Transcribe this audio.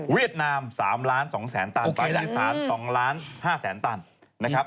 เวียดนาม๓ล้าน๒แสนตันประเทศฐาน๒ล้าน๕แสนตันนะครับ